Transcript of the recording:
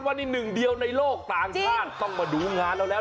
อันนี้ไวลโบราณไชร์โครน